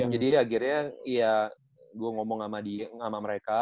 jadi akhirnya ya gua ngomong sama mereka